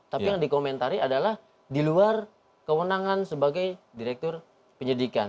tapi yang dikomentari adalah di luar kewenangan sebagai direktur penyidikan